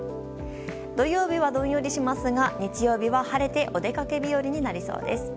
土曜日はどんよりしますが日曜日は晴れてお出かけ日和になりそうです。